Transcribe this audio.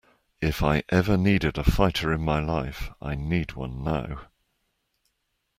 If I ever needed a fighter in my life I need one now.